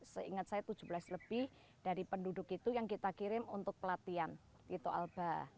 seingat saya tujuh belas lebih dari penduduk itu yang kita kirim untuk pelatihan tito alba